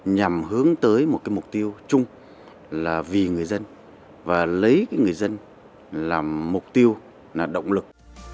nhằm hướng tới một mục tiêu chung là vì người dân và lấy người dân làm mục tiêu là động lực